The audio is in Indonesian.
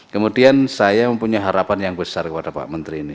kemudian saya mempunyai harapan yang besar kepada pak menteri ini